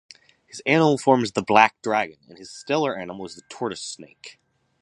His animal form is the Black Dragon and his stellar animal is the tortoise-snake.